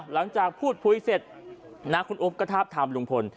หลังจากพูดคุยเสร็จนะคุณอุ๊บก็ทาบทามลุงพล